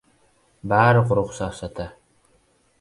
Bari quruq safsata!